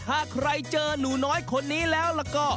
แต่ถ้าใครเจอหนุน้อยคนนี้แล้วล่ะก็